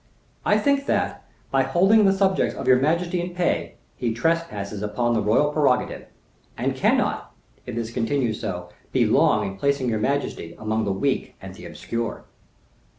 I think that, by holding the subjects of your majesty in pay, he trespasses upon the royal prerogative, and cannot, if this continues so, be long in placing your majesty among the weak and the obscure."